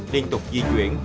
liên tục di chuyển